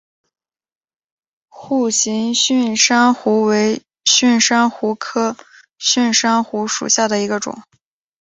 笏形蕈珊瑚为蕈珊瑚科蕈珊瑚属下的一个种。